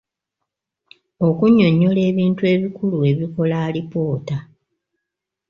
Okunnyonnyola ebintu ebikulu ebikola alipoota.